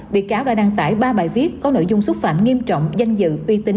bị cáo đã đăng tải ba bài viết có nội dung xúc phạm nghiêm trọng danh dự uy tín